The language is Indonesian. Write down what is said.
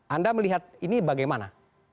anda melihat ini bagaimana